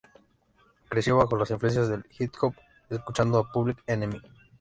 Creció bajo las influencias del Hip-hop escuchando a Public Enemy.